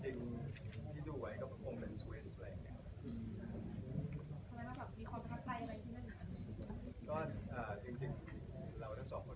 จริงที่ดูไว้ก็คงเหมือนสวิสอะไรอย่างเนี่ย